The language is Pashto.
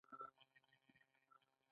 آیا دا د اسلامي معمارۍ شاهکارونه نه دي؟